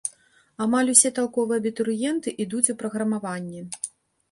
Амаль усе талковыя абітурыенты ідуць у праграмаванне.